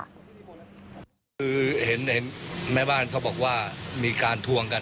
คือเห็นแม่บ้านเขาบอกว่ามีการทวงกัน